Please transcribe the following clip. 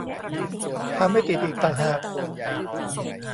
ทาไม่ติดอีกต่างหาก